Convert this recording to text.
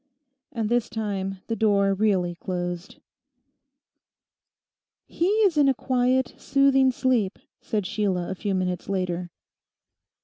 And this time the door really closed. 'He is in a quiet, soothing sleep,' said Sheila a few minutes later.